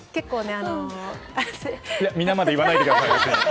皆まで言わないでください。